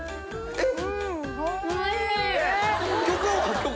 えっ？